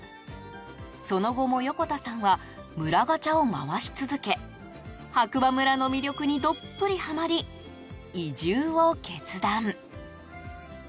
その後も、横田さんは村ガチャを回し続け白馬村の魅力にどっぷりはまり移住を決断。